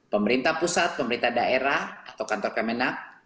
pemerintah pusat pemerintah daerah atau kantor kemenak